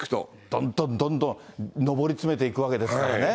どんどんどんどん上り詰めていくわけですからね。